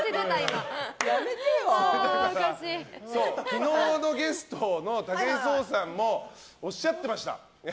昨日のゲストの武井壮さんもおっしゃってました。